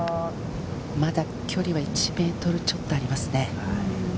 まだ距離は１ｍちょっとありますね。